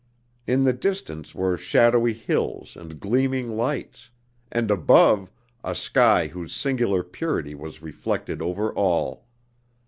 In the distance were shadowy hills and gleaming lights; and above, a sky whose singular purity was reflected over all.